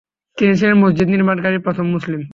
তিনি ছিলেন মসজিদ নির্মাণকারী প্রথম মুসলিম।